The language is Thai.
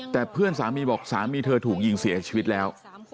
แต่เพื่อนสามีบอกสามีเธอถูกยิงเสียชีวิตแล้ว